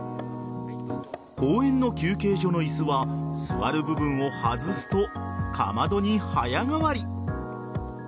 公園の休憩所の椅子は座る部分を外すとかまどに早変わり。